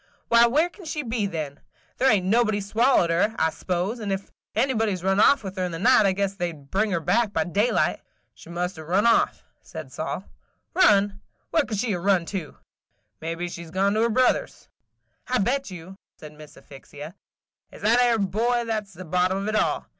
Why, where can she be then? There ain't nobody swallowed her, I s'pose; and if anybody 's run off with her in the night, I guess they 'd bring her back by daylight." "She must 'a' run off," said Sol. "Run! Where could she 'a' run to?" "Mebbe she 's gone to her brother 's." "I bet you," said Miss Asphyxia, "it 's that 'ere boy that 's the bottom of it all.